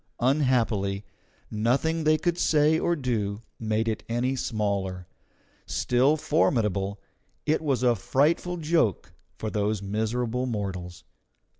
Unhappily, nothing they could say or do made it any smaller; still formidable, it was a frightful joke for those miserable mortals.